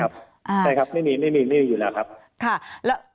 ใช่ครับไม่มีไม่มีอยู่แล้วครับค่ะ